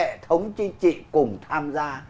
hệ thống chính trị cùng tham gia